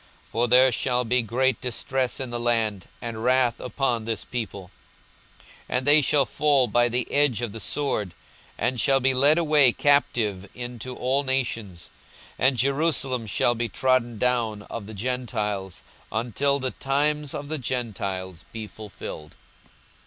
for there shall be great distress in the land, and wrath upon this people. 42:021:024 And they shall fall by the edge of the sword, and shall be led away captive into all nations: and Jerusalem shall be trodden down of the Gentiles, until the times of the Gentiles be fulfilled.